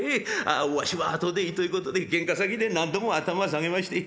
お足は後でいいということで玄関先で何度も頭下げまして。